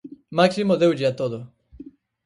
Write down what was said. Máximo deulle a todo.